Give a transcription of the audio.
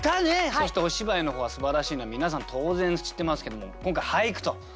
そしてお芝居の方はすばらしいのは皆さん当然知ってますけども今回俳句ということ。